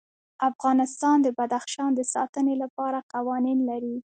افغانستان د بدخشان د ساتنې لپاره قوانین لري.